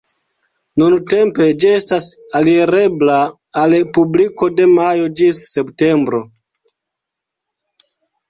Nuntempe ĝi estas alirebla al publiko de majo ĝis septembro.